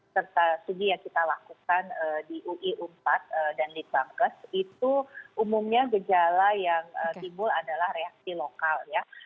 serta studi yang kita lakukan di ui empat dan di bangkes itu umumnya gejala yang timbul adalah reaksi lokal